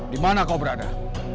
dimana kau berada